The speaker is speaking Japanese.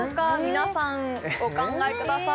皆さんお考えください